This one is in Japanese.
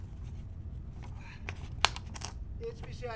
あＨＰＣＩ